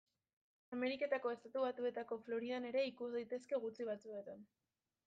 Ameriketako Estatu Batuetako Floridan ere ikus daitezke gutxi batzuetan.